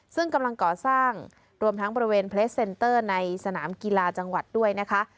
ซึ่งกำลังก่อสร้างรวมทั้งบริเวณเพลสเซนเตอร์ในสนามกีฬาจังหวัดด้วยนะคะ